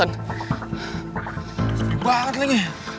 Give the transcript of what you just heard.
serius banget lo ini